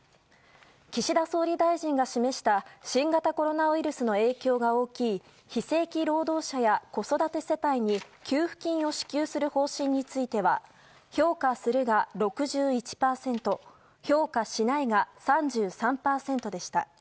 岸田総理大臣が示した新型コロナウイルスの影響が大きい非正規労働者や子育て世帯に給付金を支給する方針については評価するが６１％評価しないが３３％でした。